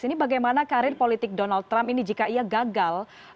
ini bagaimana karir politik donald trump ini jika ia gagal